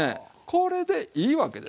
これでいいわけですよ。